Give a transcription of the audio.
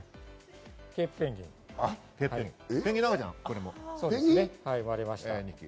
ケープペンギンです。